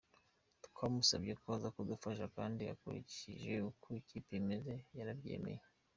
Twamusabye ko aza kudufasha kandi ukurikije uko ikipe imeze yarabyemeye.